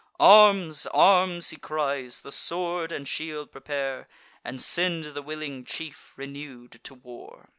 "Arms! arms!" he cries; "the sword and shield prepare, And send the willing chief, renew'd, to war.